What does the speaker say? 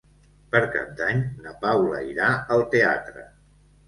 Per Cap d'Any na Paula irà al teatre.